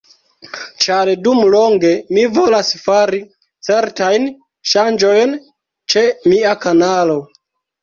Ĉar dum longe mi volas fari certajn ŝanĝojn ĉe mia kanalo